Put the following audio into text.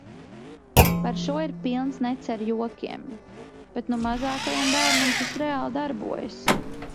Par šo ir pilns nets ar jokiem. Bet nu mazākajam bērnam šis reāli darbojas.